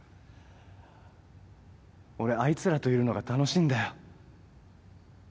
俺あいつらといるのが楽しいんだよ。